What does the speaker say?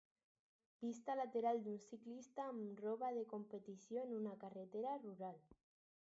Vista lateral d'un ciclista amb roba de competició en una carretera rural.